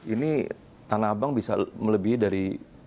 ini tanah abang bisa melebihi dari